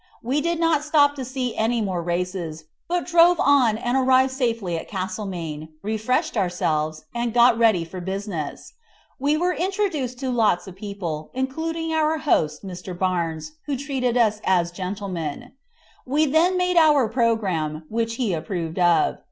We did not stop to see any more races, but drove on and arrived safely at Castlemaine, refreshed ourselves, and got ready for business. We were introduced to lots of people, including our host, Mr. Barnes, who treated us as gentlemen. We then made out our programme, which he approved of.